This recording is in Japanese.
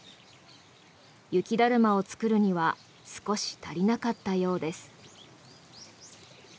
雪だるまを作るには少し足りなかったようです。